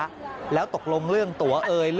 ลองไปดูเหตุการณ์ความชื่อระมวลที่เกิดอะไร